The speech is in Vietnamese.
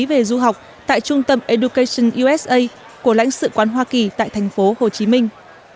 về du học tại trung tâm education usa của lãnh sự quán hoa kỳ tại thành phố hồ chí minh